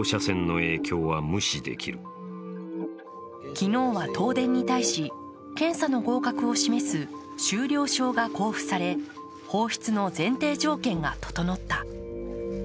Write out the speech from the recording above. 昨日は東電に対し、検査の合格を示す修了証が交付され放出の前提条件が整った。